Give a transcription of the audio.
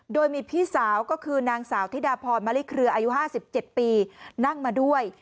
โดยมีพี่สาวก็คือนางสาวธิดาพรมะลิเครืออายุ๕๗ปีนั่งมาด้วย